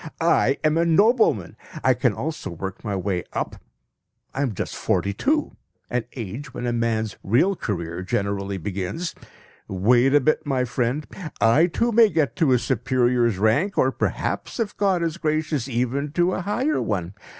I am a nobleman! I can also work my way up. I am just forty two an age when a man's real career generally begins. Wait a bit, my friend! I too may get to a superior's rank; or perhaps, if God is gracious, even to a higher one.